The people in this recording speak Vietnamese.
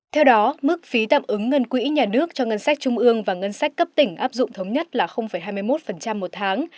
theo đó mức phí tạm ứng ngân quỹ nhà nước cho ngân sách trung ương và ngân sách cấp tỉnh áp dụng thống nhất là hai mươi một một tháng